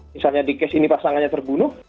misalnya di kes ini pasangannya terbunuh